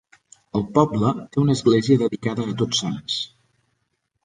El poble té una església dedicada a Tots Sants.